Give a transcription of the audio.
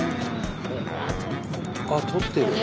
あっ撮ってる。